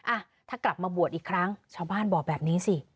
อ่ะถ้ากลับมาบวชอีกครั้งชาวบ้านบอกแบบนี้สิ